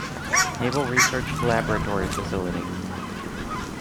Naval Research Laboratory facility.